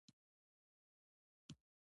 په برېټانیا کې په چټکۍ ریښې غځولې.